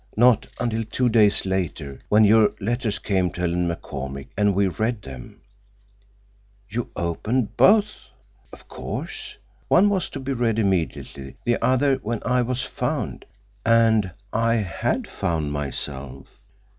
Not until two days later, when your letters came to Ellen McCormick, and we read them—" "You opened both?" "Of course. One was to be read immediately, the other when I was found—and I had found myself.